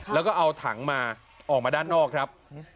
แล้วก็เอาถังมาออกมาด้านนอกครับ